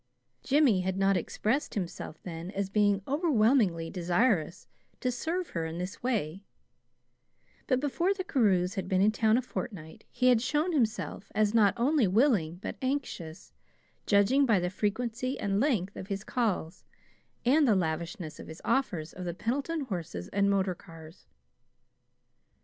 Jimmy had not expressed himself then as being overwhelmingly desirous to serve her in this way; but before the Carews had been in town a fortnight, he had shown himself as not only willing but anxious, judging by the frequency and length of his calls, and the lavishness of his offers of the Pendleton horses and motor cars.